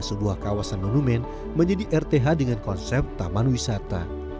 sebuah kawasan monumen menjadi rth dengan konsep taman wisata